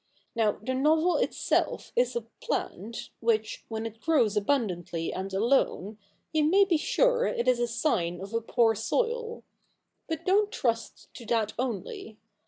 Now, the novel itself is a plant which, when it grows abundantly and alone, you may be sure it is a sign of a poor soil. CH. Ill] THE NEW REPUBLIC 35 But don't trust to that only.